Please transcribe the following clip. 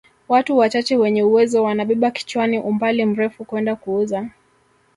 Watu wachache wenye uwezo wanabeba kichwani umbali mrefu kwenda kuuza